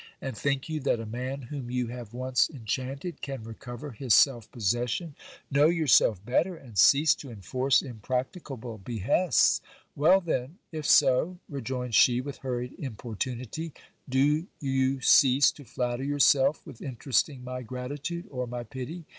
And think you that a man, whom you have once en chanted, can recover his self possession ? Know yourself better, and cease to enforce impracticable behests. Well then ! if so, rejoined she with hurried im portunity, do you cease to flatter yourself with interesting my gratitude or my pity.